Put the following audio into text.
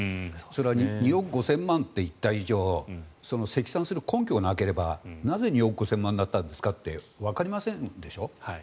それは２億５０００万円と言った以上積算する根拠がなければなぜ２億５０００万円になったんですかってわかりませんでしょ。